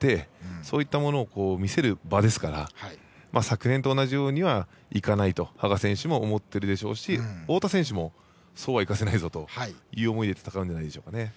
そういったものを見せる場ですから昨年と同じようにはいかないと羽賀選手も思っているでしょうし太田選手もそうはいかせないぞという思いで戦うんじゃないでしょうか。